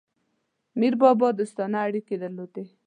میربابا دوستانه اړیکي درلودل.